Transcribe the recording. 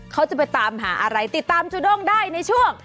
เขาจะไปตามหาอะไรติดตามจูด้งได้ในช่วง